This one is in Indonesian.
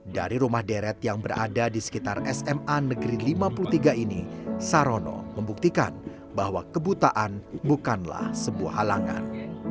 dari rumah deret yang berada di sekitar sma negeri lima puluh tiga ini sarono membuktikan bahwa kebutaan bukanlah sebuah halangan